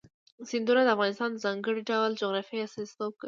سیندونه د افغانستان د ځانګړي ډول جغرافیه استازیتوب کوي.